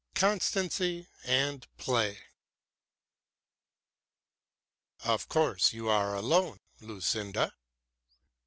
CONSTANCY AND PLAY "Of course you are alone, Lucinda?"